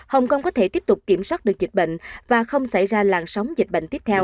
hồng kông có thể tiếp tục kiểm soát được dịch bệnh và không xảy ra làn sóng dịch bệnh tiếp theo